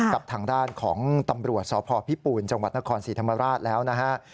กับทางด้านของตำรวจสพพิปูนจังหวัดนครศรีธรรมราชแล้วนะฮะ